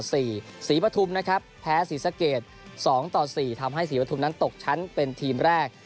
ศรีปฐุมนะครับแพ้ศรีสะเกด๒ต่อ๔ทำให้ศรีปฐุมนั้นตกชั้นเป็นทีมแรก